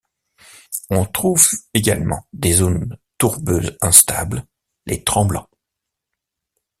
On trouve également des zones tourbeuses instables, les tremblants.